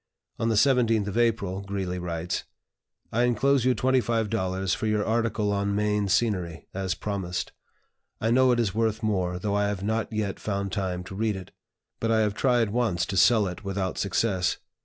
On the 17th of April Greeley writes: "I inclose you $25 for your article on Maine Scenery, as promised. I know it is worth more, though I have not yet found time to read it; but I have tried once to sell it without success.